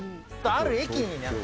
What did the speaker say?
ある駅に、なんか。